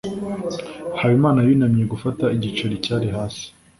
habimana yunamye gufata igiceri cyari hasi